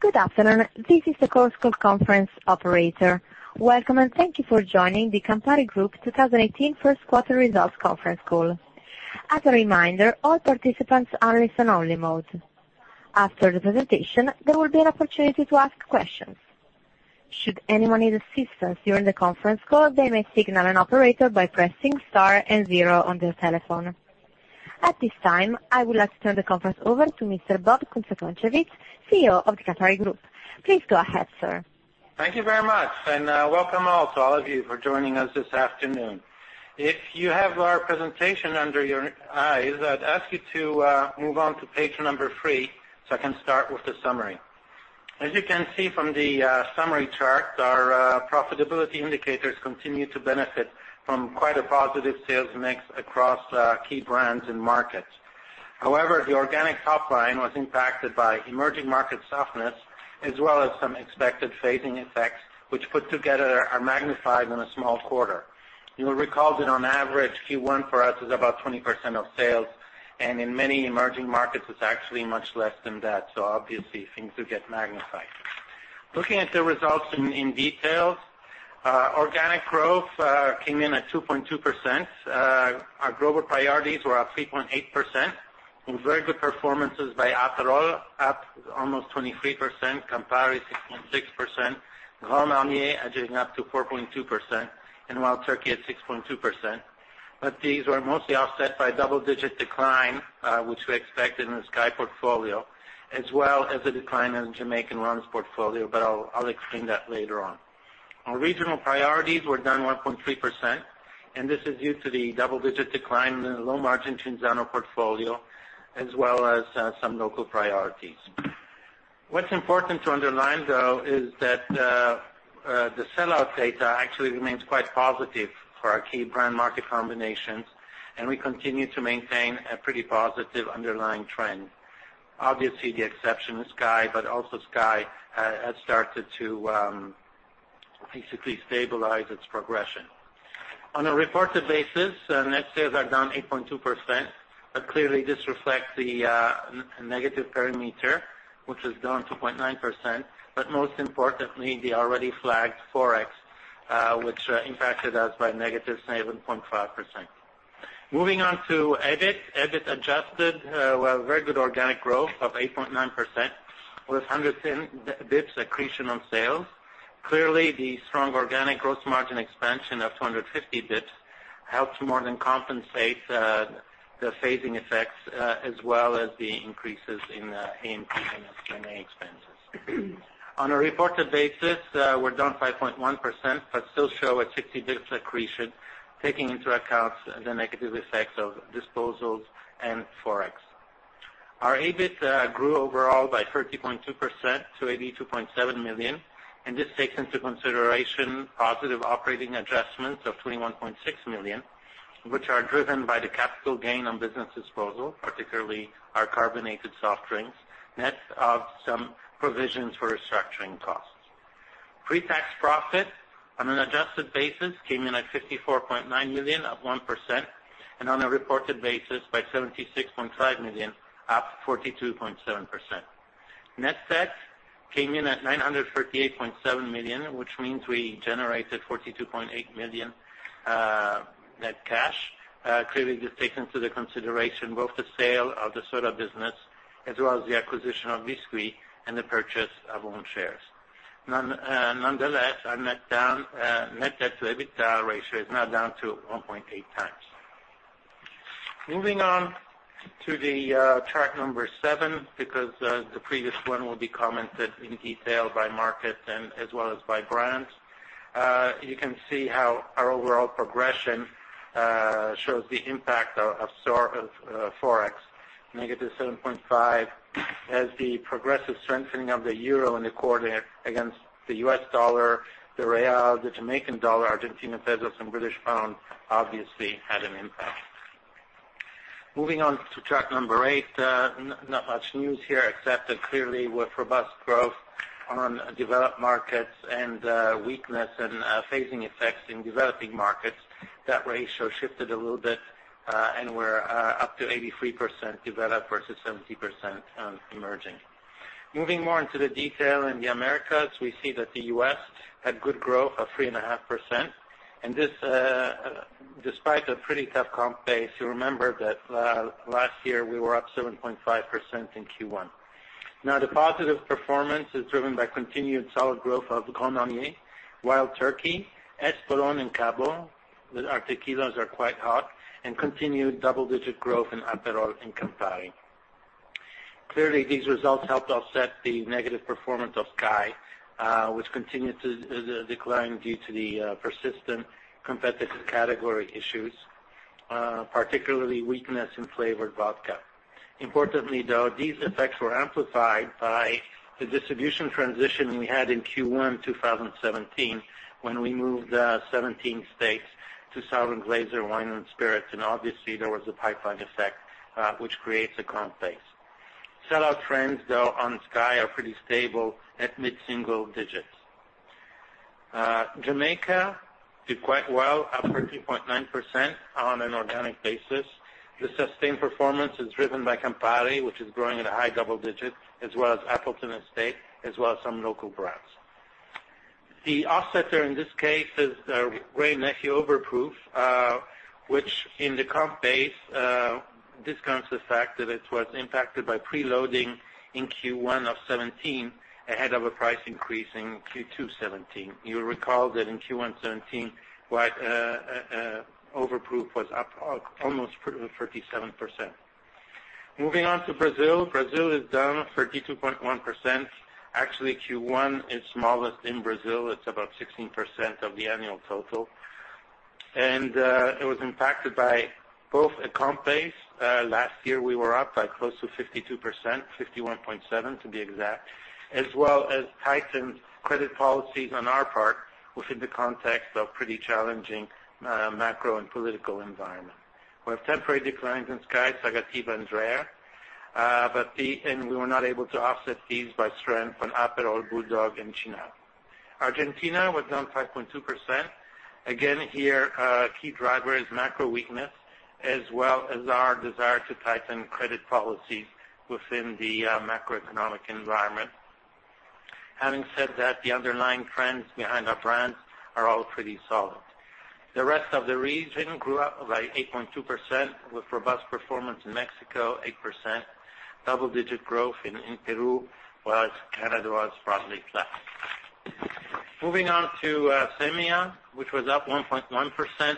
Good afternoon. This is the Chorus Call conference operator. Welcome, and thank you for joining the Campari Group 2018 first quarter results conference call. As a reminder, all participants are in listen-only mode. After the presentation, there will be an opportunity to ask questions. Should anyone need assistance during the conference call, they may signal an operator by pressing Star and Zero on their telephone. At this time, I would like to turn the conference over to Mr. Bob Kunze-Concewitz, CEO of the Campari Group. Please go ahead, sir. Thank you very much. Welcome to all of you for joining us this afternoon. If you have our presentation under your eyes, I'd ask you to move on to page number three so I can start with the summary. As you can see from the summary chart, our profitability indicators continue to benefit from quite a positive sales mix across key brands and markets. However, the organic top line was impacted by emerging market softness as well as some expected phasing effects, which put together are magnified in a small quarter. You will recall that on average, Q1 for us is about 20% of sales, and in many emerging markets, it's actually much less than that. Obviously, things will get magnified. Looking at the results in detail, organic growth came in at 2.2%. Our global priorities were up 3.8%, with very good performances by Aperol, up almost 23%, Campari 6.6%, Grand Marnier edging up to 4.2%, and Wild Turkey at 6.2%. These were mostly offset by double-digit decline, which we expected in the SKYY portfolio, as well as a decline in the Jamaican rums portfolio. I'll explain that later on. Our regional priorities were down 1.3%. This is due to the double-digit decline in the low margin Cinzano portfolio, as well as some local priorities. What's important to underline, though, is that the sellout data actually remains quite positive for our key brand market combinations, and we continue to maintain a pretty positive underlying trend. Obviously, the exception is SKYY, but also SKYY has started to basically stabilize its progression. On a reported basis, net sales are down 8.2%. Clearly, this reflects the negative perimeter, which is down 2.9%. Most importantly, the already flagged Forex, which impacted us by -7.5%. Moving on to EBIT. EBIT adjusted, we have very good organic growth of 8.9%, with 110 basis points accretion on sales. Clearly, the strong organic gross margin expansion of 250 basis points helps more than compensate the phasing effects, as well as the increases in A&P and SG&A expenses. On a reported basis, we're down 5.1% but still show a 60 basis points accretion, taking into account the negative effects of disposals and Forex. Our EBIT grew overall by 30.2% to 82.7 million. This takes into consideration positive operating adjustments of 21.6 million, which are driven by the capital gain on business disposal, particularly our carbonated soft drinks, net of some provisions for restructuring costs. Pre-tax profit on an adjusted basis came in at 54.9 million, up 1%, and on a reported basis by 76.5 million, up 42.7%. Net debt came in at 938.7 million, which means we generated 42.8 million net cash. Clearly, this takes into the consideration both the sale of the soda business as well as the acquisition of Bisquit and the purchase of own shares. Nonetheless, our net debt to EBITDA ratio is now down to 1.8 times. Moving on to the chart number 7, because the previous one will be commented on in detail by market as well as by brands. You can see how our overall progression shows the impact of Forex, -7.5 as the progressive strengthening of the euro in the quarter against the U.S. dollar, the real, the Jamaican dollar, Argentine peso, some British pound obviously had an impact. Moving on to chart number 8. Not much news here except that clearly with robust growth on developed markets and weakness and phasing effects in developing markets, that ratio shifted a little bit. We're up to 83% developed versus 70% emerging. Moving more into the detail in the Americas, we see that the U.S. had good growth of 3.5%. This despite a pretty tough comp base. You remember that last year, we were up 7.5% in Q1. Now, the positive performance is driven by continued solid growth of Grand Marnier, Wild Turkey, Espolòn, and Cabo. Our tequilas are quite hot. Continued double-digit growth in Aperol and Campari. Clearly, these results helped offset the negative performance of SKYY, which continued to decline due to the persistent competitive category issues, particularly weakness in flavored vodka. Importantly, though, these effects were amplified by the distribution transition we had in Q1 2017 when we moved 17 states to Southern Glazer's Wine & Spirits. Obviously, there was a pipeline effect which creates a comp base. Sellout trends, though, on SKYY are pretty stable at mid-single digits. Jamaica did quite well, up 13.9% on an organic basis. The sustained performance is driven by Campari, which is growing at a high double digit, as well as Appleton Estate, as well as some local brands. The offsetter in this case is Wray & Nephew Overproof, which in the comp base, discounts the fact that it was impacted by pre-loading in Q1 of 2017 ahead of a price increase in Q2 2017. You'll recall that in Q1 2017, Overproof was up almost 37%. Moving on to Brazil. Brazil is down 32.1%. Actually, Q1 is smallest in Brazil. It's about 16% of the annual total. It was impacted by both a comp base. Last year, we were up by close to 52%, 51.7% to be exact, as well as tightened credit policies on our part within the context of pretty challenging macro and political environment. We have temporary declines in SKYY, Sagatiba, and Dreher. We were not able to offset these by strength on Aperol, BULLDOG, and Cinzano. Argentina was down 5.2%. Again, here, key driver is macro weakness, as well as our desire to tighten credit policies within the macroeconomic environment. Having said that, the underlying trends behind our brands are all pretty solid. The rest of the region grew up by 8.2% with robust performance in Mexico, 8%, double-digit growth in Peru, whereas Canada was broadly flat. Moving on to EMEA, which was up 1.1%.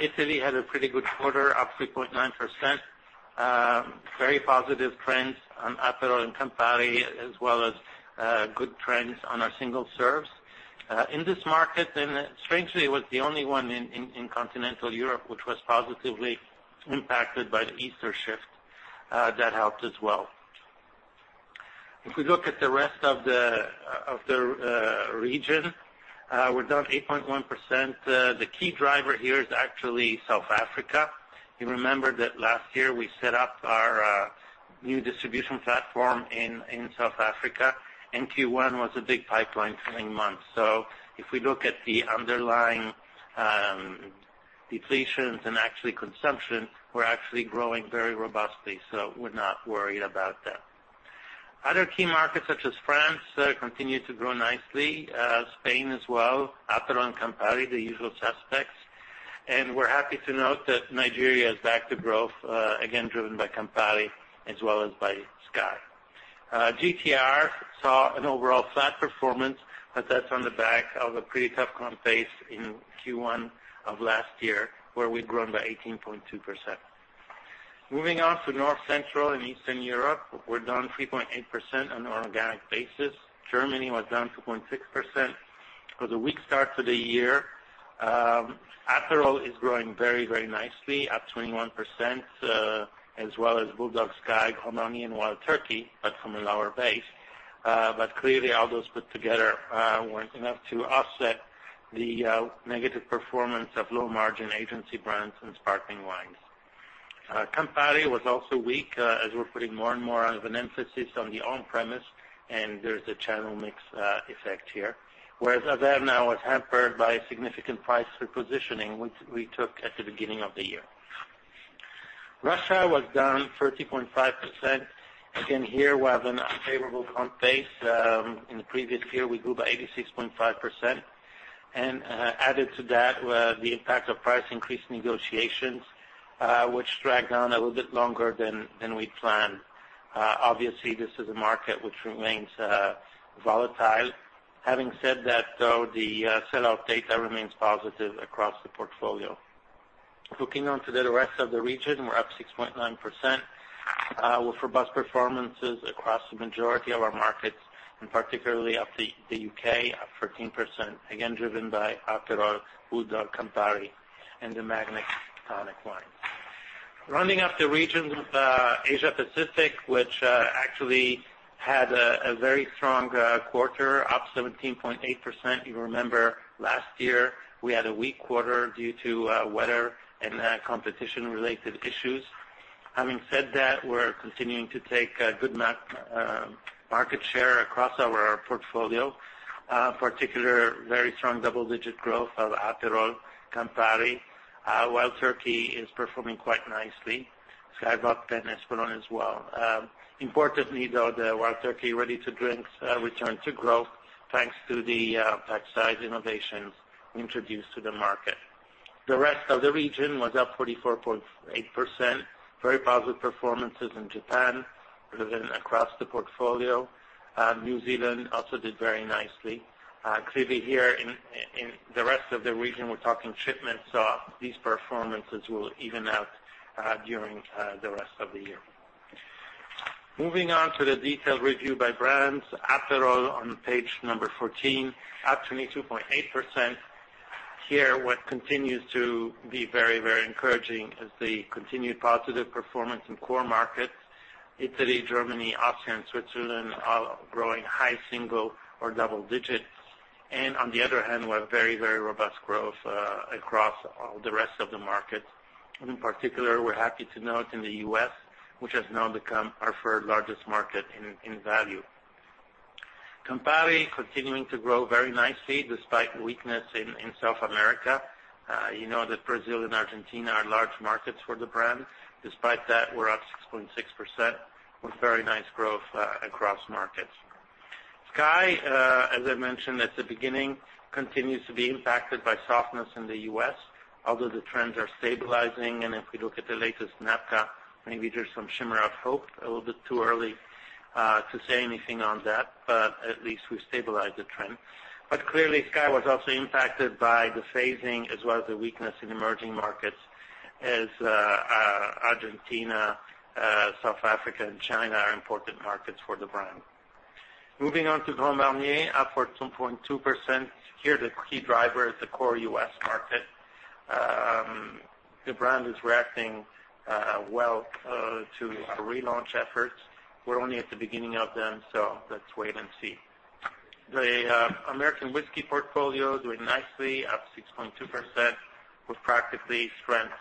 Italy had a pretty good quarter, up 3.9%. Very positive trends on Aperol and Campari, as well as good trends on our single serves. In this market, and strangely, it was the only one in Continental Europe, which was positively impacted by the Easter shift. That helped as well. If we look at the rest of the region, we're down 8.1%. The key driver here is actually South Africa. You remember that last year we set up our new distribution platform in South Africa, and Q1 was a big pipeline filling month. If we look at the underlying depletions and actually consumption, we're actually growing very robustly, so we're not worried about that. Other key markets such as France continue to grow nicely, Spain as well. Aperol and Campari, the usual suspects. We're happy to note that Nigeria is back to growth, again driven by Campari as well as by SKYY. GTR saw an overall flat performance, that's on the back of a pretty tough comp base in Q1 of last year, where we'd grown by 18.2%. Moving on to North Central and Eastern Europe. We're down 3.8% on an organic basis. Germany was down 2.6% with a weak start to the year. Aperol is growing very nicely, up 21%, as well as BULLDOG, SKYY, Cinzano, and Wild Turkey, but from a lower base. Clearly, all those put together weren't enough to offset the negative performance of low-margin agency brands and sparkling wines. Campari was also weak, as we're putting more and more of an emphasis on the on-premise, and there's a channel mix effect here. Whereas Averna was hampered by a significant price repositioning, which we took at the beginning of the year. Russia was down 30.5%. Here, we have an unfavorable comp base. In the previous year, we grew by 86.5%, and added to that were the impact of price increase negotiations, which dragged on a little bit longer than we'd planned. Obviously, this is a market which remains volatile. Having said that, though, the sell-out data remains positive across the portfolio. Looking on to the rest of the region, we're up 6.9%, with robust performances across the majority of our markets, and particularly up the U.K., up 13%, again, driven by Aperol, BULLDOG, Campari, and the Magnum Tonic Wine. Rounding up the region with Asia Pacific, which actually had a very strong quarter, up 17.8%. You remember last year we had a weak quarter due to weather and competition-related issues. Having said that, we're continuing to take good market share across our portfolio. Particular very strong double-digit growth of Aperol, Campari. Wild Turkey is performing quite nicely. SKYY Vodka and Espolòn as well. Importantly, though, the Wild Turkey ready-to-drink returned to growth, thanks to the pack size innovations introduced to the market. The rest of the region was up 44.8%. Very positive performances in Japan, driven across the portfolio. New Zealand also did very nicely. Here in the rest of the region, we're talking shipments, so these performances will even out during the rest of the year. Moving on to the detailed review by brands. Aperol on page number 14, up 22.8%. Here, what continues to be very encouraging is the continued positive performance in core markets. Italy, Germany, Austria, and Switzerland are growing high single or double digits. On the other hand, we have very robust growth across all the rest of the markets. In particular, we're happy to note in the U.S. which has now become our third-largest market in value. Campari continuing to grow very nicely despite weakness in South America. You know that Brazil and Argentina are large markets for the brand. Despite that, we're up 6.6% with very nice growth across markets. SKYY, as I mentioned at the beginning, continues to be impacted by softness in the U.S., although the trends are stabilizing, and if we look at the latest NABCA, maybe there's some shimmer of hope. A little bit too early to say anything on that, but at least we've stabilized the trend. Clearly, SKYY was also impacted by the phasing as well as the weakness in emerging markets, as Argentina, South Africa, and China are important markets for the brand. Moving on to Grand Marnier, up 4.2%. Here, the key driver is the core U.S. market. The brand is reacting well to our relaunch efforts. We're only at the beginning of them, let's wait and see. The American Whiskey portfolio doing nicely, up 6.2%, with practically strength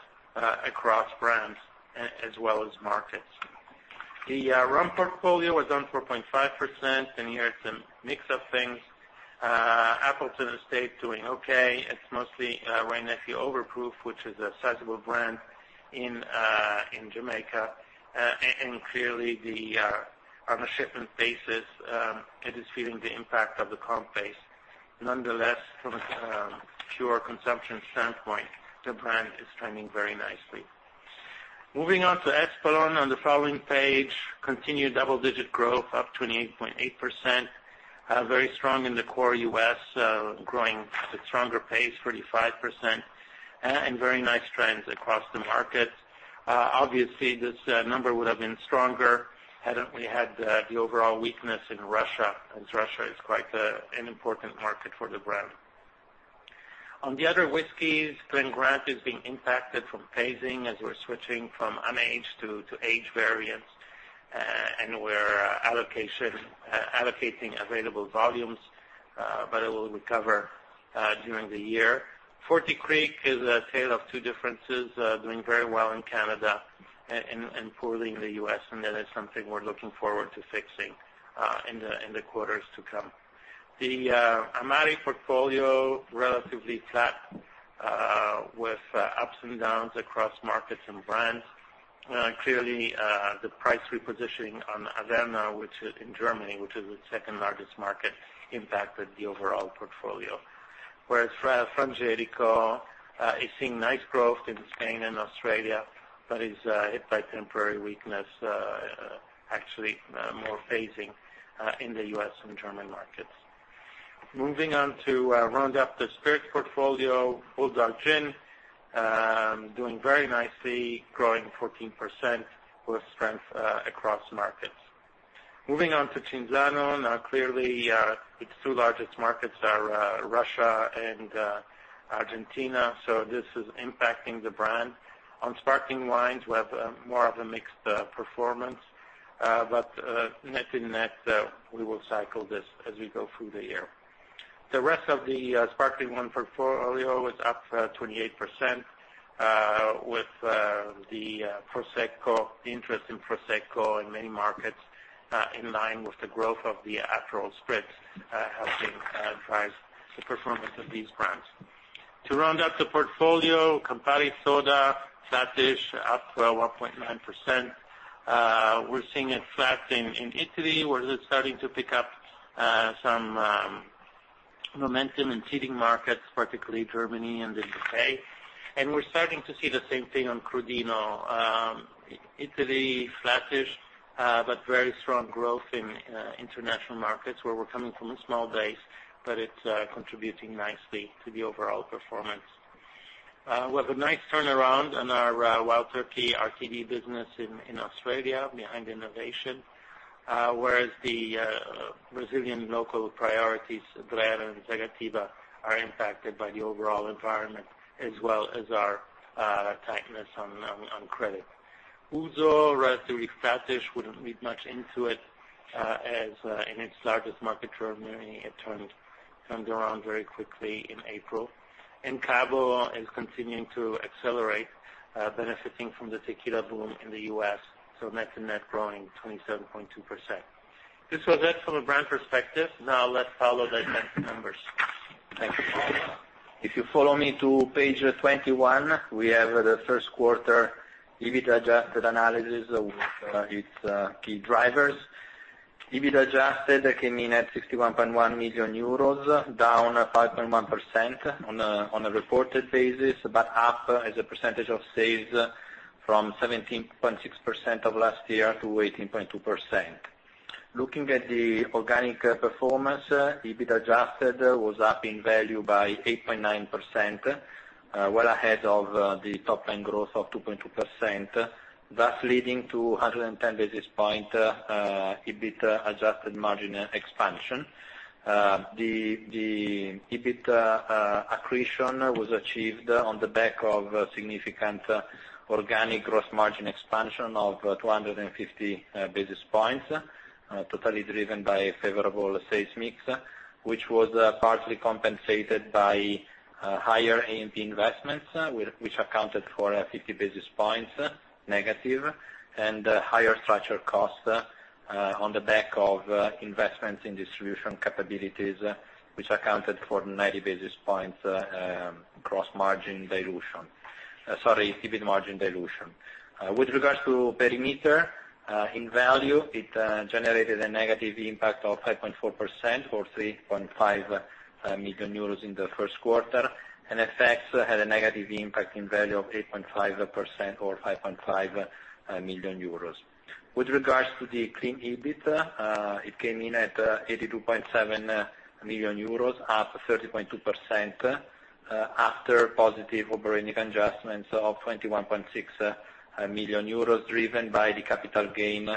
across brands as well as markets. The Rum portfolio was down 4.5%. Here it's a mix of things. Appleton Estate doing okay. It's mostly Wray & Nephew Overproof, which is a sizable brand in Jamaica. Clearly, on a shipment basis, it is feeling the impact of the comp base. Nonetheless, from a pure consumption standpoint, the brand is trending very nicely. Moving on to Espolòn on the following page. Continued double-digit growth, up 28.8%. Very strong in the core U.S., growing at a stronger pace, 45%, very nice trends across the markets. Obviously, this number would have been stronger hadn't we had the overall weakness in Russia, as Russia is quite an important market for the brand. On the other whiskeys, Glen Grant is being impacted from phasing as we're switching from unaged to aged variants, we're allocating available volumes, it will recover during the year. Forty Creek is a tale of two differences, doing very well in Canada and poorly in the U.S., that is something we're looking forward to fixing in the quarters to come. The Amari portfolio, relatively flat, with ups and downs across markets and brands. Clearly, the price repositioning on Averna, which in Germany, which is its second-largest market, impacted the overall portfolio. Frangelico is seeing nice growth in Spain and Australia, is hit by temporary weakness, actually, more phasing, in the U.S. and German markets. Moving on to round up the Spirits portfolio. BULLDOG Gin doing very nicely, growing 14% with strength across markets. Moving on to Cinzano. Clearly, its two largest markets are Russia and Argentina, this is impacting the brand. On Sparkling Wines, we have more of a mixed performance. Net in net, we will cycle this as we go through the year. The rest of the Sparkling Wine portfolio was up 28%, with the interest in Prosecco in many markets in line with the growth of the overall spread helping drive the performance of these brands. To round up the portfolio, Campari Soda, flattish, up 1.9%. We're seeing it flat in Italy, where it is starting to pick up some momentum in key markets, particularly Germany and the U.K. We're starting to see the same thing on Crodino. Italy, flattish, very strong growth in international markets, where we're coming from a small base, it's contributing nicely to the overall performance. We have a nice turnaround on our Wild Turkey RTD business in Australia behind the innovation. Whereas the Brazilian local priorities, Dreher and Sagatiba, are impacted by the overall environment as well as our tightness on credit. Ouzo, relatively flattish. Wouldn't read much into it, as in its largest market, Germany, it turned around very quickly in April. Cabo is continuing to accelerate, benefiting from the tequila boom in the U.S., so net to net growing 27.2%. This was it from a brand perspective. Now let's follow the financial numbers. Thank you. If you follow me to page 21, we have the first quarter EBIT adjusted analysis with its key drivers. EBIT adjusted came in at 74.7 million euros, down 5.1% on a reported basis, but up as a percentage of sales from 17.6% of last year to 18.2%. Looking at the organic performance, EBIT adjusted was up in value by 8.9%, well ahead of the top-line growth of 2.2%, thus leading to 110 basis point EBIT adjusted margin expansion. The EBIT accretion was achieved on the back of significant organic gross margin expansion of 250 basis points, totally driven by a favorable sales mix, which was partly compensated by higher A&P investments, which accounted for 50 basis points negative, and higher structural costs on the back of investments in distribution capabilities, which accounted for 90 basis points gross margin dilution. Sorry, EBIT margin dilution. With regards to perimeter, in value, it generated a negative impact of 5.4%, or 3.5 million euros in the first quarter. FX had a negative impact in value of 8.5%, or 5.5 million euros. With regards to the clean EBIT, it came in at 82.7 million euros, up 30.2%, after positive organic adjustments of 21.6 million euros, driven by the capital gain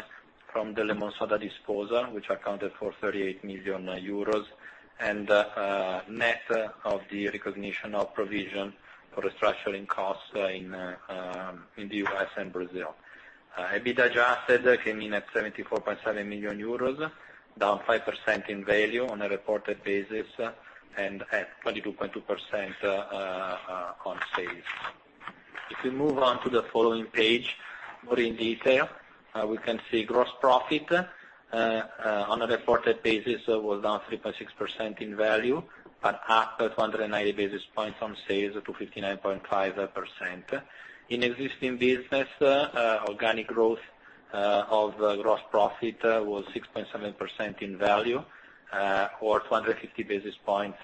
from the Lemonsoda disposal, which accounted for 38 million euros, and net of the recognition of provision for restructuring costs in the U.S. and Brazil. EBIT adjusted came in at 74.7 million euros, down 5% in value on a reported basis, and at 22.2% on sales. If we move on to the following page, more in detail, we can see gross profit. On a reported basis, it was down 3.6% in value, but up 290 basis points on sales to 59.5%. In existing business, organic growth of gross profit was 6.7% in value or 250 basis points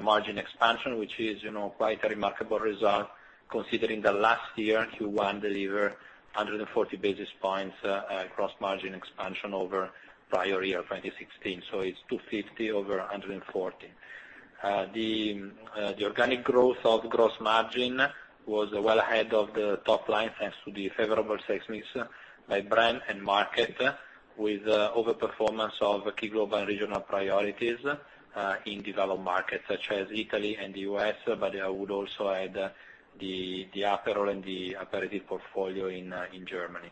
margin expansion, which is quite a remarkable result considering that last year, Q1 delivered 140 basis points gross margin expansion over prior year 2016. So it's 250 over 140. The organic growth of gross margin was well ahead of the top line, thanks to the favorable mix by brand and market, with overperformance of key global and regional priorities in developed markets such as Italy and the U.S., but I would also add the Aperol and the Aperitif portfolio in Germany.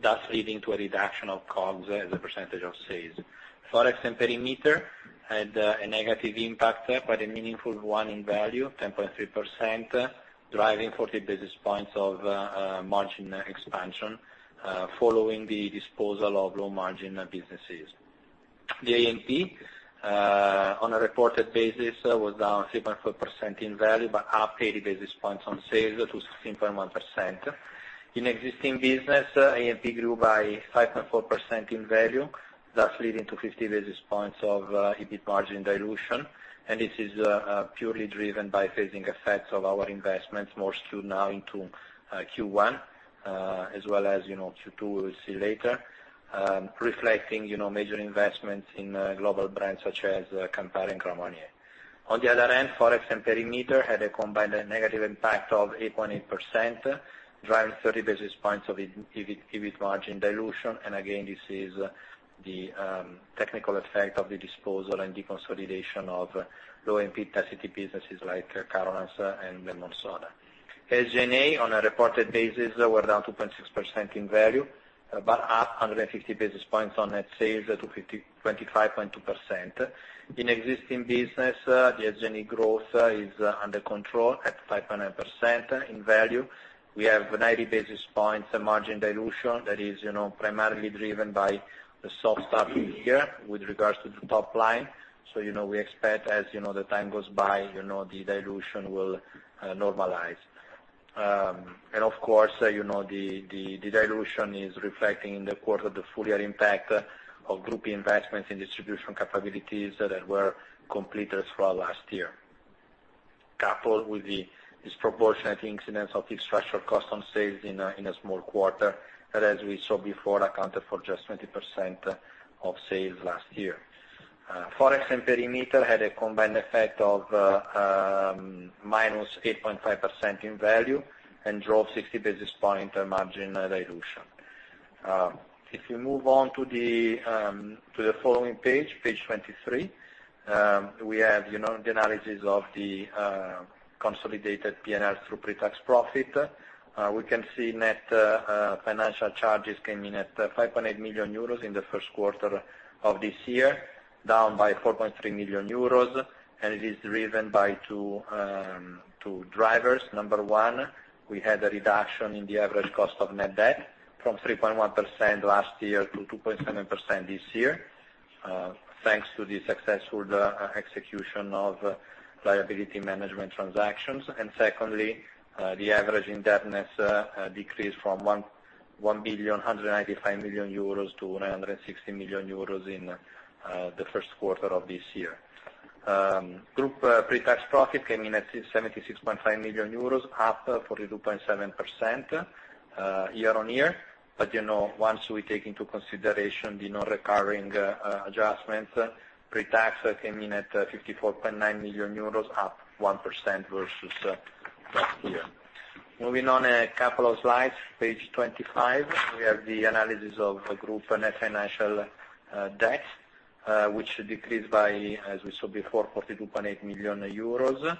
Thus leading to a reduction of COGS as a percentage of sales. Forex and perimeter had a negative impact there, but a meaningful one in value, 10.3%, driving 40 basis points of margin expansion following the disposal of low margin businesses. The A&P, on a reported basis, was down 3.4% in value, but up 80 basis points on sales to 16.1%. In existing business, A&P grew by 5.4% in value. Leading to 50 basis points of EBIT margin dilution, and this is purely driven by phasing effects of our investments, more skewed now into Q1, as well as Q2, we'll see later, reflecting major investments in global brands such as Campari and Grand Marnier. On the other end, Forex and Perimeter had a combined negative impact of 8.8%, driving 30 basis points of EBIT margin dilution. Again, this is the technical effect of the disposal and deconsolidation of low A&P density businesses like Carolans and Lemonsoda. SG&A, on a reported basis, were down 2.6% in value, but up 150 basis points on net sales to 25.2%. In existing business, the SG&A growth is under control at 5.9% in value. We have 90 basis points margin dilution that is primarily driven by the soft start in the year with regards to the top line. We expect, as the time goes by, the dilution will normalize. Of course, the dilution is reflecting in the quarter the full year impact of group investments in distribution capabilities that were completed throughout last year. Coupled with the disproportionate incidence of structural cost on sales in a small quarter, that as we saw before, accounted for just 20% of sales last year. Forex and Perimeter had a combined effect of minus 8.5% in value and drove 60 basis point margin dilution. If you move on to the following page 23, we have the analysis of the consolidated P&L through pre-tax profit. We can see net financial charges came in at 5.8 million euros in the first quarter of this year, down by 4.3 million euros, It is driven by two drivers. Number one, we had a reduction in the average cost of net debt from 3.1% last year to 2.7% this year, thanks to the successful execution of liability management transactions. Secondly, the average indebtedness decreased from 1,195 million euros to 960 million euros in the first quarter of this year. Group pre-tax profit came in at 76.5 million euros, up 42.7% year-on-year. Once we take into consideration the non-recurring adjustments, pre-tax came in at 54.9 million euros, up 1% versus last year. Moving on a couple of slides, page 25, we have the analysis of the group net financial debt, which decreased by, as we saw before, 42.8 million euros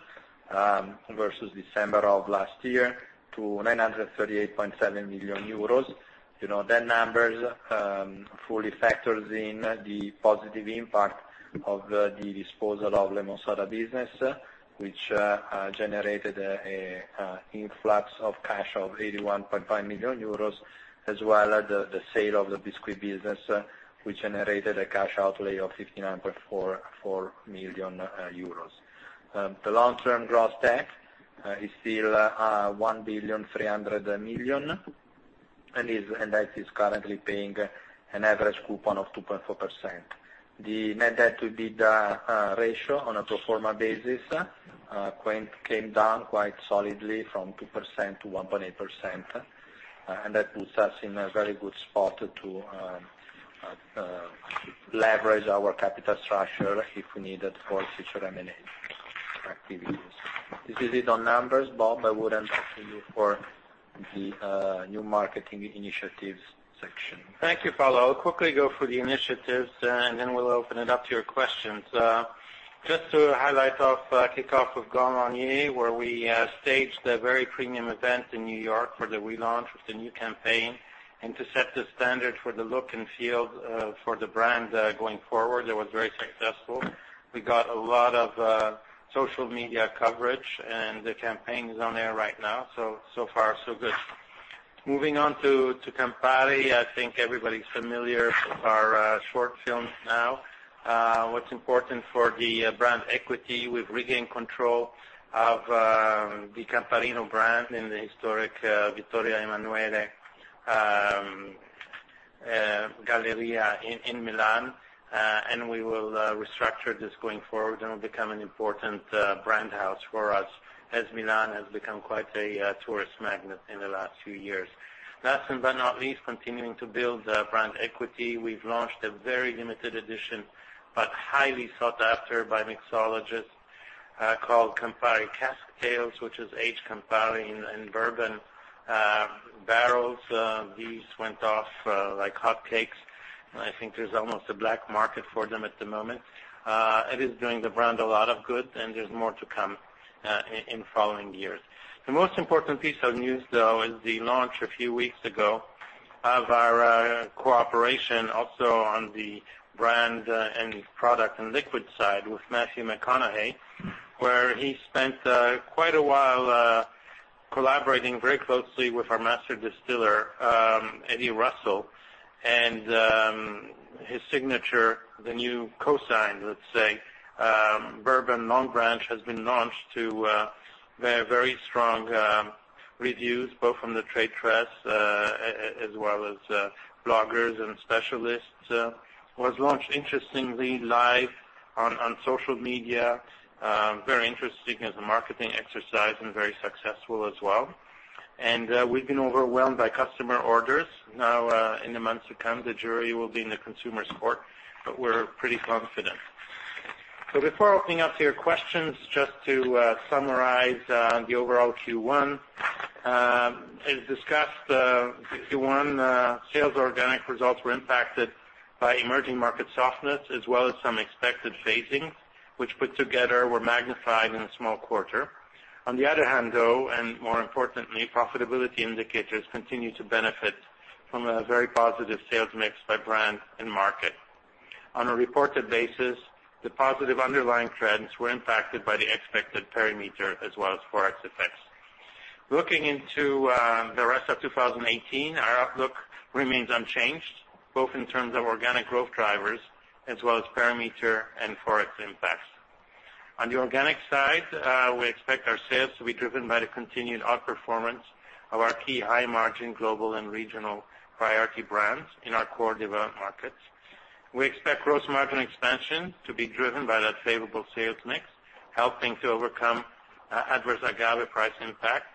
versus December of last year to 938.7 million euros. That number fully factors in the positive impact of the disposal of Lemonsoda business, which generated an influx of cash of 81.5 million euros, as well as the sale of the Bisquit business, which generated a cash outlay of 59.44 million euros. The long-term gross debt is still 1,300 million. That is currently paying an average coupon of 2.4%. The net debt to EBITDA ratio on a pro forma basis came down quite solidly from 2% to 1.8%, That puts us in a very good spot to leverage our capital structure if we need it for future M&A activities. This is it on numbers, Bob. I would hand back to you for the new marketing initiatives section. Thank you, Paolo. Quickly go through the initiatives, then we'll open it up to your questions. Just to highlight off, kickoff with Grand Marnier, where we staged a very premium event in New York for the relaunch of the new campaign, to set the standard for the look and feel for the brand going forward. That was very successful. We got a lot of social media coverage, the campaign is on air right now, so far so good. Moving on to Campari. I think everybody's familiar with our short films now. What's important for the brand equity, we've regained control of the Campari brand in the historic Vittorio Emanuele Galleria in Milan, we will restructure this going forward, it'll become an important brand house for us, as Milan has become quite a tourist magnet in the last few years. Last but not least, continuing to build brand equity. We've launched a very limited edition, but highly sought after by mixologists, called Campari Cask Tales, which is aged Campari and bourbon barrels. These went off like hotcakes. I think there's almost a black market for them at the moment. It is doing the brand a lot of good, there's more to come in following years. The most important piece of news, though, is the launch a few weeks ago of our cooperation also on the brand and product and liquid side with Matthew McConaughey, where he spent quite a while collaborating very closely with our Master Distiller, Eddie Russell. His signature, the new cosign, let's say, Bourbon Longbranch, has been launched to very strong reviews, both from the trade press as well as bloggers and specialists. Was launched, interestingly, live on social media. Very interesting as a marketing exercise, very successful as well. We've been overwhelmed by customer orders. Now, in the months to come, the jury will be in the consumer support, we're pretty confident. Before opening up to your questions, just to summarize the overall Q1. As discussed, the Q1 sales organic results were impacted by emerging market softness as well as some expected phasing, which put together were magnified in a small quarter. On the other hand, though, more importantly, profitability indicators continue to benefit from a very positive sales mix by brand and market. On a reported basis, the positive underlying trends were impacted by the expected perimeter as well as Forex effects. Looking into the rest of 2018, our outlook remains unchanged, both in terms of organic growth drivers as well as perimeter and Forex impacts. On the organic side, we expect our sales to be driven by the continued outperformance of our key high-margin global and regional priority brands in our core developed markets. We expect gross margin expansion to be driven by that favorable sales mix, helping to overcome adverse agave price impact,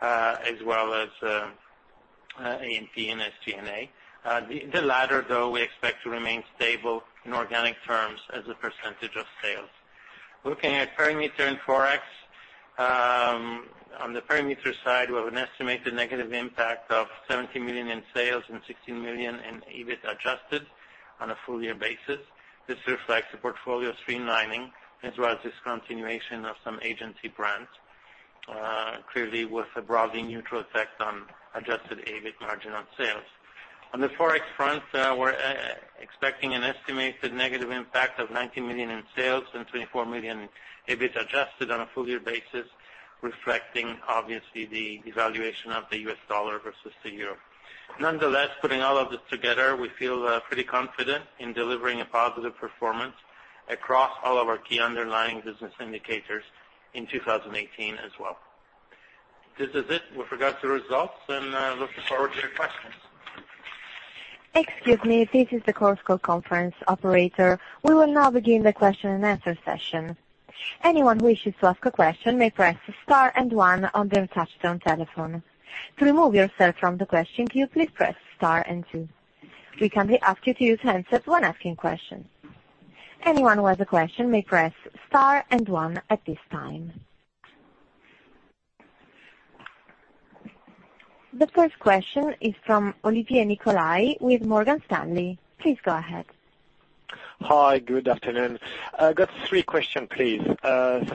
as well as A&P and SG&A. The latter, though, we expect to remain stable in organic terms as a % of sales. Looking at perimeter and Forex. On the perimeter side, we have an estimated negative impact of 70 million in sales and 16 million in EBIT adjusted on a full-year basis. This reflects the portfolio streamlining as well as discontinuation of some agency brands, clearly with a broadly neutral effect on adjusted EBIT margin on sales. On the Forex front, we're expecting an estimated negative impact of 90 million in sales and 24 million in EBIT adjusted on a full-year basis, reflecting, obviously, the devaluation of the US dollar versus the euro. Nonetheless, putting all of this together, we feel pretty confident in delivering a positive performance across all of our key underlying business indicators in 2018 as well. This is it with regards to results, and looking forward to your questions. Excuse me, this is the Chorus Call Conference operator. We will now begin the question and answer session. Anyone who wishes to ask a question may press star and one on their touch-tone telephone. To remove yourself from the question queue, please press star and two. We kindly ask you to use handset when asking questions. Anyone who has a question may press star and one at this time. The first question is from Olivier Nicolai with Morgan Stanley. Please go ahead. Hi. Good afternoon. I got three question, please. On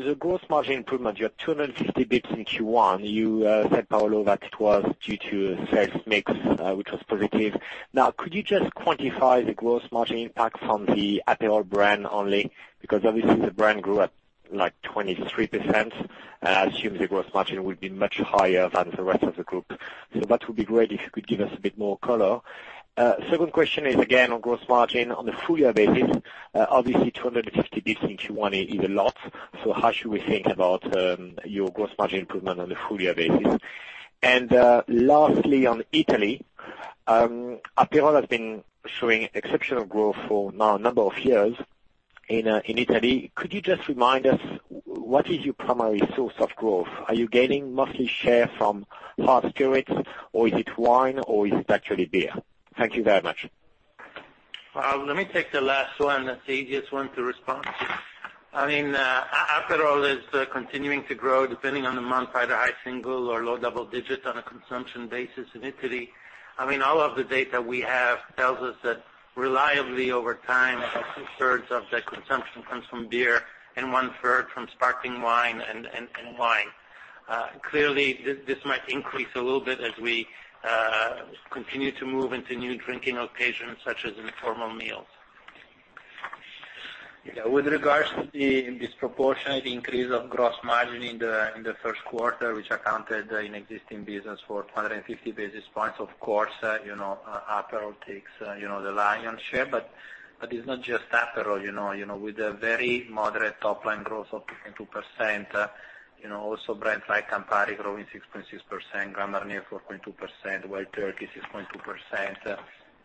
the gross margin improvement, you had 250 basis points in Q1. You said, Paolo, that it was due to sales mix, which was positive. Now, could you just quantify the gross margin impact from the Aperol brand only? Because obviously the brand grew at like 23%, and I assume the gross margin would be much higher than the rest of the group. That would be great if you could give us a bit more color. Second question is again on gross margin on the full-year basis. Obviously 250 basis points in Q1 is a lot. How should we think about your gross margin improvement on a full-year basis? Lastly, on Italy, Aperol has been showing exceptional growth for now a number of years in Italy. Could you just remind us what is your primary source of growth? Are you gaining mostly share from hard spirits, or is it wine, or is it actually beer? Thank you very much. Well, let me take the last one. That's the easiest one to respond to. Aperol is continuing to grow, depending on the month, either high single or low double digits on a consumption basis in Italy. All of the data we have tells us that reliably over time, about two-thirds of that consumption comes from beer and one-third from sparkling wine and wine. Clearly, this might increase a little bit as we continue to move into new drinking occasions, such as informal meals. With regards to the disproportionate increase of gross margin in the first quarter, which accounted in existing business for 250 basis points, of course, Aperol takes the lion's share. It's not just Aperol. With a very moderate top-line growth of 15.2%, also brands like Campari growing 6.6%, Grand Marnier 4.2%, Wild Turkey 6.2%,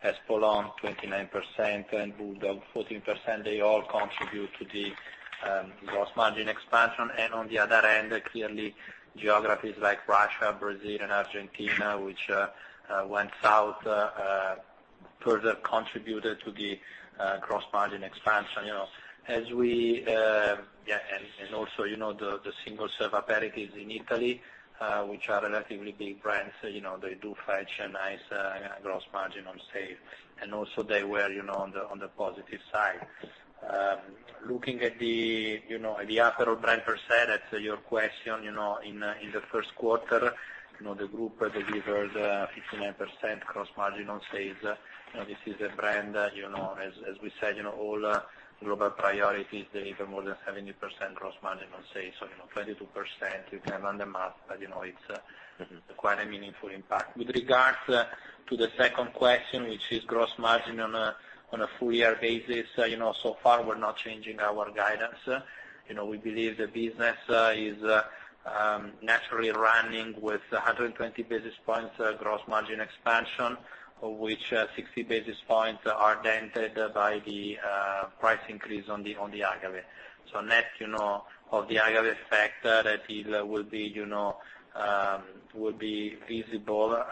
Espolòn 29%, and BULLDOG 14%, they all contribute to the gross margin expansion. On the other end, clearly geographies like Russia, Brazil, and Argentina, which went south, further contributed to the gross margin expansion. Also, the single-serve aperitifs in Italy, which are relatively big brands, they do fetch a nice gross margin on sale. Also they were on the positive side. Looking at the Aperol brand per se, that's your question, in the first quarter, the group delivered 59% gross margin on sales. This is a brand, as we said, all global priorities deliver more than 70% gross margin on sales. 22%, you can run the math, but it's quite a meaningful impact. With regards to the second question, which is gross margin on a full year basis, so far we're not changing our guidance. We believe the business is naturally running with 120 basis points gross margin expansion, of which 60 basis points are dented by the price increase on the agave. Net of the agave effect, that is, will be visible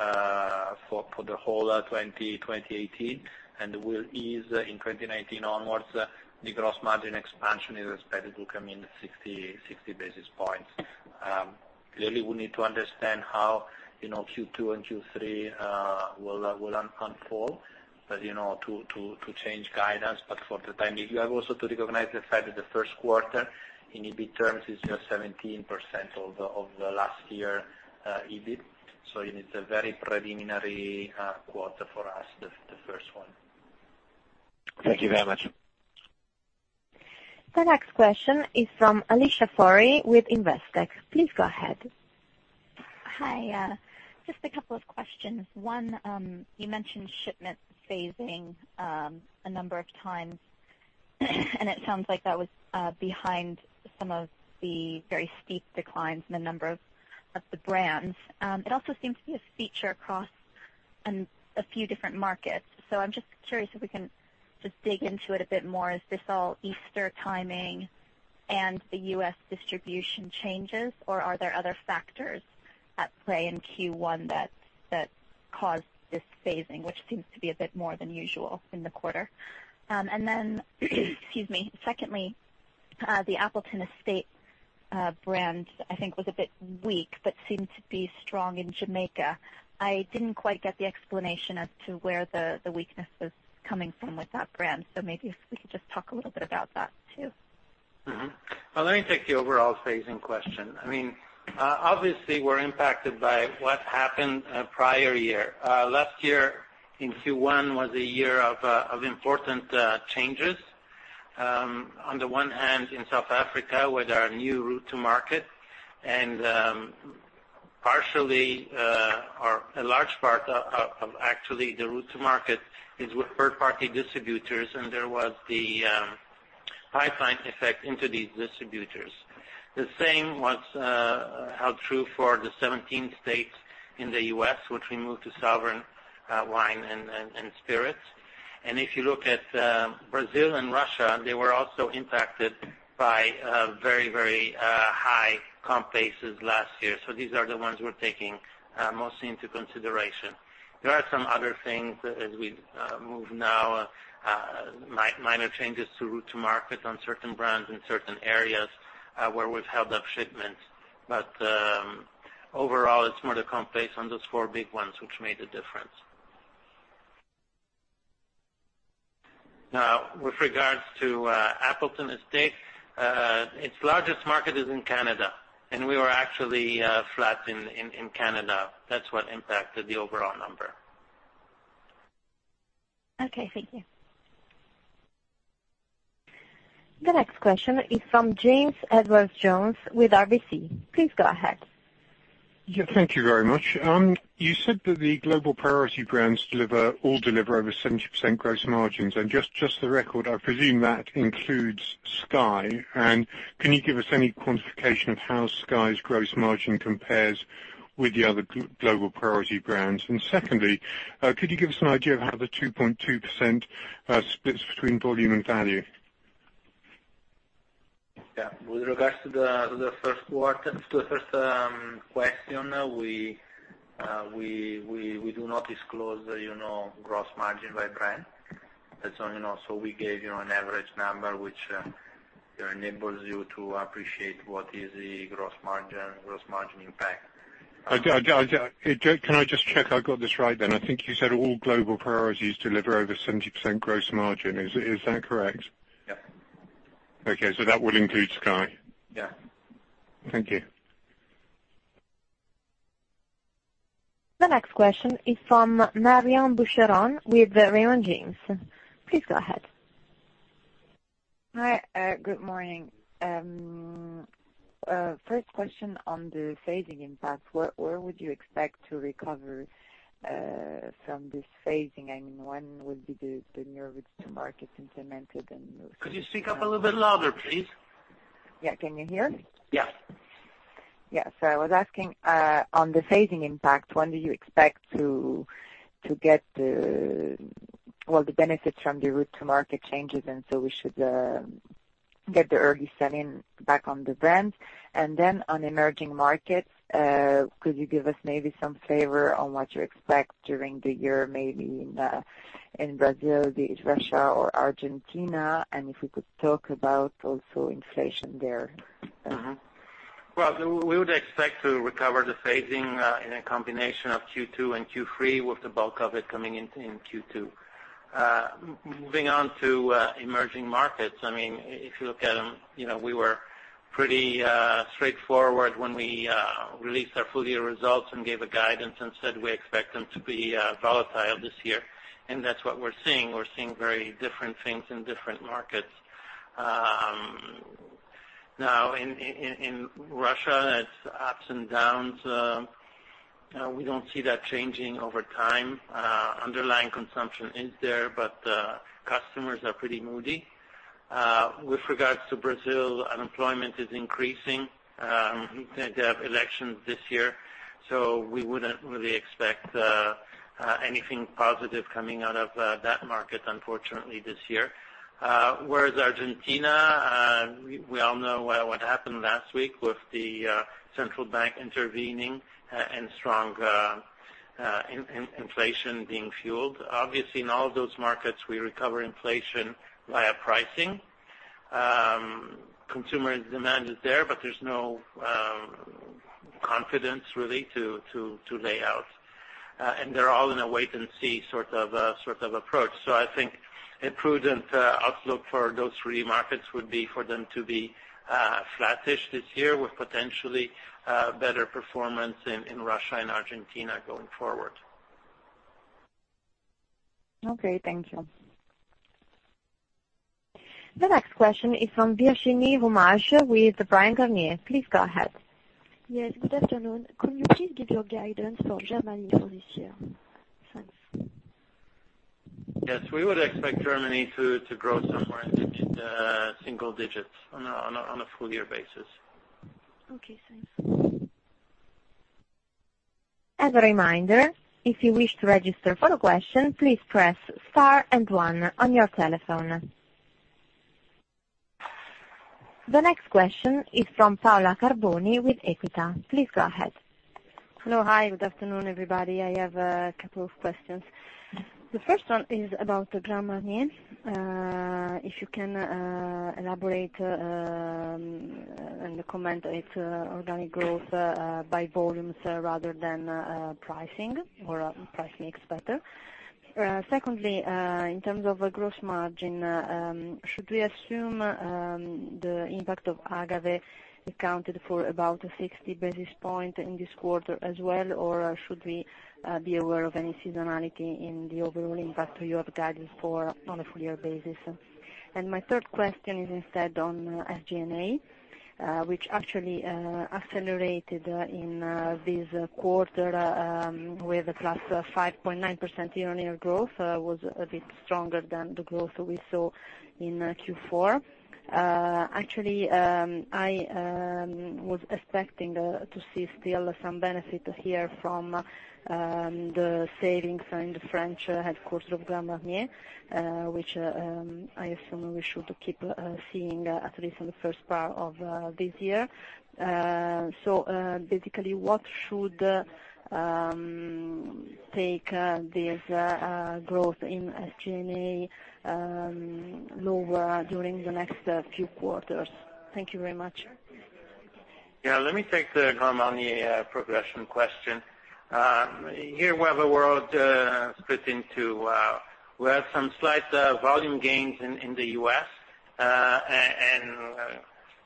for the whole 2018, and will ease in 2019 onwards. The gross margin expansion is expected to come in at 60 basis points. Clearly, we need to understand how Q2 and Q3 will unfold to change guidance. For the time being, you have also to recognize the fact that the first quarter in EBIT terms is 17% of the last year EBIT. It is a very preliminary quarter for us, the first one. Thank you very much. The next question is from Alicia Forry with Investec. Please go ahead. Hi. Just a couple of questions. One, you mentioned shipment phasing a number of times, it sounds like that was behind some of the very steep declines in a number of the brands. It also seems to be a feature across a few different markets. I am just curious if we can just dig into it a bit more. Is this all Easter timing and the U.S. distribution changes, or are there other factors at play in Q1 that caused this phasing, which seems to be a bit more than usual in the quarter? Secondly, the Appleton Estate brand, I think, was a bit weak, but seemed to be strong in Jamaica. I did not quite get the explanation as to where the weakness was coming from with that brand. Maybe if we could just talk a little bit about that, too. Let me take the overall phasing question. Obviously, we're impacted by what happened prior year. Last year in Q1 was a year of important changes. On the one hand, in South Africa, with our new route to market, and partially, or a large part of actually the route to market is with third-party distributors, there was the pipeline effect into these distributors. The same held true for the 17 states in the U.S., which we moved to Southern Glazer's Wine & Spirits. If you look at Brazil and Russia, they were also impacted by very high comp bases last year. These are the ones we're taking mostly into consideration. There are some other things as we move now, minor changes to route to market on certain brands in certain areas where we've held up shipments. Overall, it's more the comp base on those four big ones, which made a difference. With regards to Appleton Estate, its largest market is in Canada, and we were actually flat in Canada. That's what impacted the overall number. Okay. Thank you. The next question is from James Edwardes Jones with RBC. Please go ahead. Thank you very much. You said that the global priority brands all deliver over 70% gross margins. Just for the record, I presume that includes SKYY. Can you give us any quantification of how SKYY's gross margin compares with the other global priority brands? Secondly, could you give us an idea of how the 2.2% splits between volume and value? With regards to the first question, we do not disclose the gross margin by brand. We gave you an average number, which enables you to appreciate what is the gross margin impact. Can I just check I got this right then? I think you said all global priorities deliver over 70% gross margin. Is that correct? Yep. That will include SKYY? Yeah. Thank you. The next question is from Marion Cohet-Boucheron with Raymond James. Please go ahead. Hi, good morning. First question on the phasing impact. Where would you expect to recover from this phasing? When would be the new route to market implemented? Could you speak up a little bit louder, please? Yeah. Can you hear me? Yes. Yeah. I was asking, on the phasing impact, when do you expect to get the benefits from the route to market changes so we should get the early selling back on the brands? On emerging markets, could you give us maybe some flavor on what you expect during the year, maybe in Brazil, Russia or Argentina? If you could talk about also inflation there. Well, we would expect to recover the phasing in a combination of Q2 and Q3 with the bulk of it coming in Q2. Moving on to emerging markets, if you look at them, we were pretty straightforward when we released our full-year results and gave a guidance and said we expect them to be volatile this year, and that's what we're seeing. We're seeing very different things in different markets. Now, in Russia, it's ups and downs. We don't see that changing over time. Underlying consumption is there, but customers are pretty moody. With regards to Brazil, unemployment is increasing. They have elections this year, so we wouldn't really expect anything positive coming out of that market, unfortunately, this year. Whereas Argentina, we all know what happened last week with the central bank intervening and strong inflation being fueled. Obviously, in all of those markets, we recover inflation via pricing. Consumer demand is there, but there's no confidence, really, to lay out. They're all in a wait and see sort of approach. I think a prudent outlook for those three markets would be for them to be flattish this year with potentially better performance in Russia and Argentina going forward. Okay, thank you. The next question is from Virginie Rommery with Bryan, Garnier. Please go ahead. Yes, good afternoon. Could you please give your guidance for Germany for this year? Thanks. Yes. We would expect Germany to grow somewhere in single digits on a full-year basis. Okay, thanks. As a reminder, if you wish to register for a question, please press Star and One on your telephone. The next question is from Paola Carboni with Equita. Please go ahead. Hello. Hi, good afternoon, everybody. I have a couple of questions. The first one is about the Grand Marnier. If you can elaborate and comment it organic growth by volumes rather than pricing or price mix better. Secondly, in terms of gross margin, should we assume the impact of agave accounted for about 60 basis point in this quarter as well, or should we be aware of any seasonality in the overall impact you have guided for on a full year basis? My third question is instead on SG&A which actually accelerated in this quarter, with a +5.9% year-on-year growth, was a bit stronger than the growth we saw in Q4. Actually, I was expecting to see still some benefit here from the savings in the French headquarters of Grand Marnier which I assume we should keep seeing at least in the first part of this year. Basically, what should take this growth in SG&A lower during the next few quarters? Thank you very much. Let me take the Grand Marnier progression question. We have some slight volume gains in the U.S. and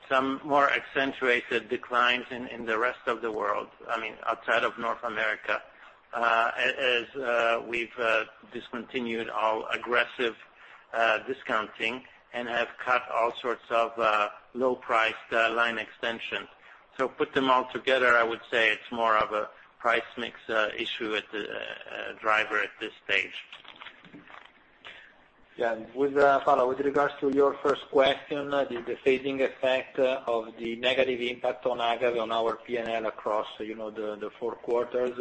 some more accentuated declines in the rest of the world, outside of North America, as we've discontinued our aggressive discounting and have cut all sorts of low-priced line extensions. Put them all together, I would say it's more of a price mix issue driver at this stage. With that follow, with regards to your first question, the defasing effect of the negative impact on agave on our P&L across the four quarters.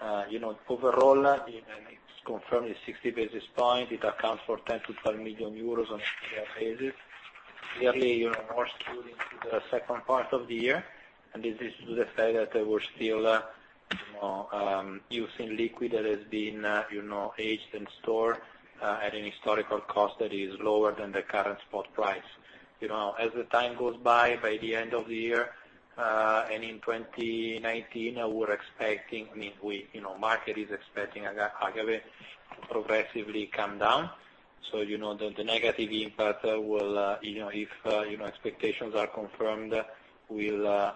Overall, it's confirmed the 60 basis points. It accounts for 10 million-12 million euros on an annual basis. Clearly, more skewed into the second part of the year, and this is due to the fact that we're still using liquid that has been aged and stored at an historical cost that is lower than the current spot price. As the time goes by the end of the year, and in 2019, we're expecting, market is expecting, agave to progressively come down. The negative impact will, if expectations are confirmed, will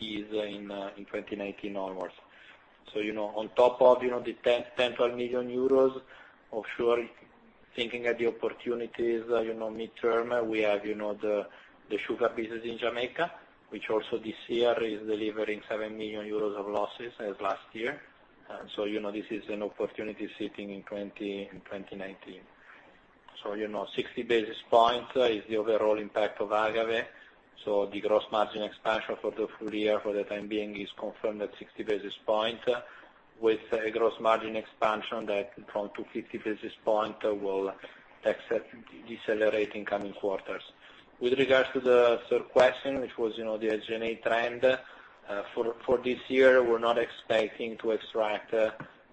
ease in 2019 onwards. On top of the 10 million euros, 12 million euros, for sure, thinking at the opportunities midterm, we have the sugar business in Jamaica, which also this year is delivering 7 million euros of losses as last year. This is an opportunity sitting in 2019. 60 basis points is the overall impact of agave. The gross margin expansion for the full year for the time being is confirmed at 60 basis points, with a gross margin expansion that from 250 basis points will decelerate in coming quarters. With regards to the third question, which was the SG&A trend, for this year, we're not expecting to extract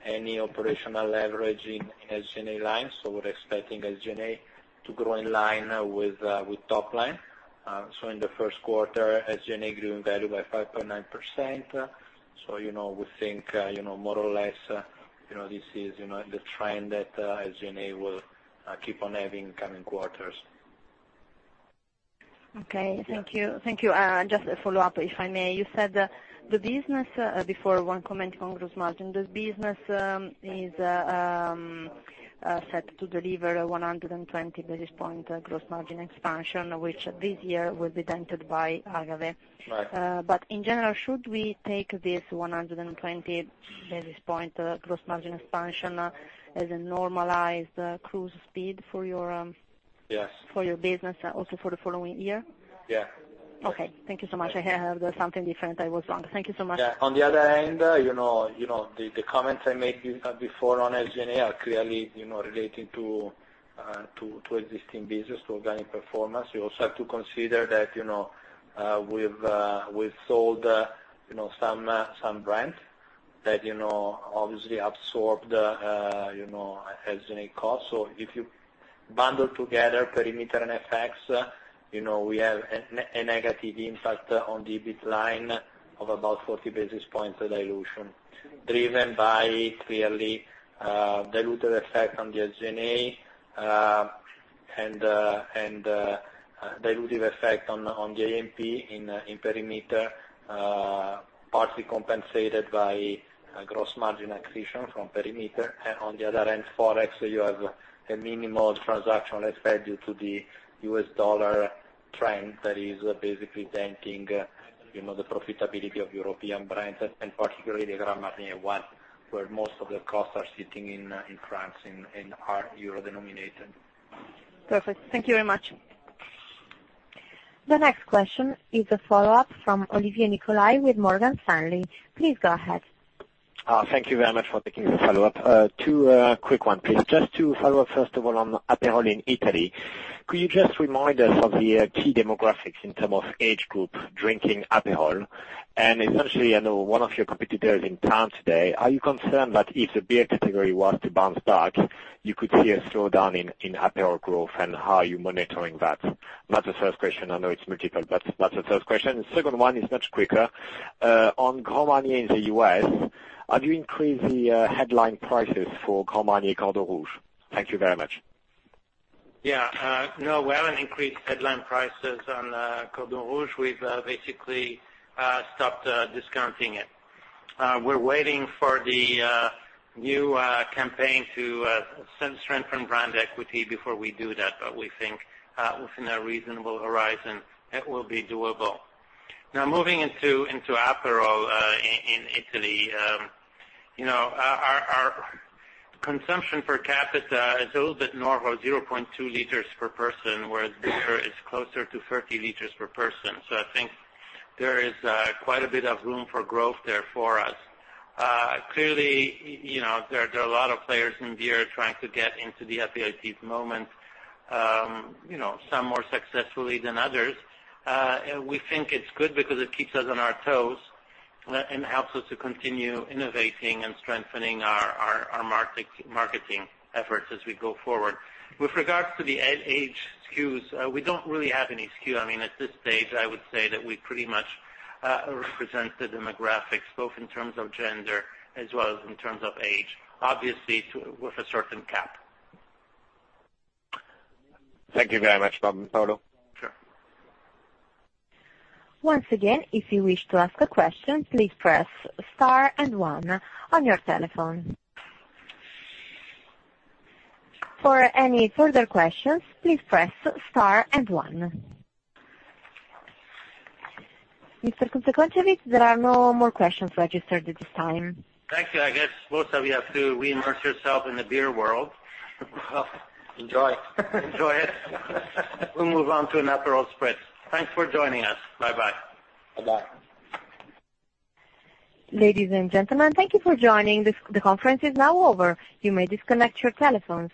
any operational leverage in SG&A line. We're expecting SG&A to grow in line with top line. In the first quarter, SG&A grew in value by 5.9%. We think, more or less, this is the trend that SG&A will keep on having coming quarters. Okay. Thank you. Just a follow-up, if I may. You said the business, before one comment on gross margin, this business is set to deliver 120 basis point gross margin expansion, which this year will be dented by agave. Right. In general, should we take this 120 basis point gross margin expansion as a normalized cruise speed for your- Yes for your business also for the following year? Yeah. Okay. Thank you so much. I heard something different. I was wrong. Thank you so much. Yeah. On the other hand, the comments I made before on SG&A are clearly relating to existing business, to organic performance. We also have to consider that we've sold some brands that obviously absorbed SG&A cost. If you bundle together perimeter and FX, we have a negative impact on the EBIT line of about 40 basis points dilution, driven by clearly dilutive effect on the SG&A, and dilutive effect on the A&P in perimeter, partly compensated by gross margin accretion from perimeter. On the other end, Forex, you have a minimal transaction effect due to the U.S. dollar trend that is basically denting the profitability of European brands, and particularly the Grand Marnier one, where most of the costs are sitting in France and are euro denominated. Perfect. Thank you very much. The next question is a follow-up from Olivier Nicolai with Morgan Stanley. Please go ahead. Thank you very much for taking the follow-up. Two quick one, please. Just to follow up first of all on Aperol in Italy. Could you just remind us of the key demographics in term of age group drinking Aperol? Essentially, I know one of your competitors in town today, are you concerned that if the beer category was to bounce back, you could see a slowdown in Aperol growth, and how are you monitoring that? That's the first question. I know it's multiple, but that's the first question. Second one is much quicker. On Grand Marnier in the U.S., have you increased the headline prices for Grand Marnier Cordon Rouge? Thank you very much. We haven't increased headline prices on Cordon Rouge. We've basically stopped discounting it. We're waiting for the new campaign to strengthen brand equity before we do that. We think within a reasonable horizon it will be doable. Moving into Aperol in Italy. Our consumption per capita is a little bit north of 0.2 liters per person, whereas beer is closer to 30 liters per person. I think there is quite a bit of room for growth there for us. Clearly, there are a lot of players in beer trying to get into the Aperol spritz moment, some more successfully than others. We think it's good because it keeps us on our toes, and helps us to continue innovating and strengthening our marketing efforts as we go forward. With regards to the age SKUs, we don't really have any SKU. I mean, at this stage, I would say that we pretty much represent the demographics, both in terms of gender as well as in terms of age, obviously with a certain cap. Thank you very much, Bob. Sure. Once again, if you wish to ask a question, please press star and one on your telephone. For any further questions, please press star and one. Mr. Kunze-Concewitz, there are no more questions registered at this time. Thank you. I guess both of you have to reimmerse yourself in the beer world. Enjoy. Enjoy it. We'll move on to an Aperol spritz. Thanks for joining us. Bye-bye. Bye-bye. Ladies and gentlemen, thank you for joining. The conference is now over. You may disconnect your telephones.